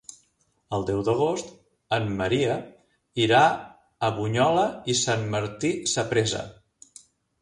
El deu d'agost en Maria irà a Brunyola i Sant Martí Sapresa.